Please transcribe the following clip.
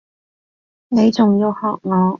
你仲要喝我！